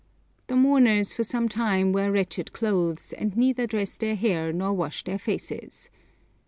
The mourners for some time wear wretched clothes, and neither dress their hair nor wash their faces.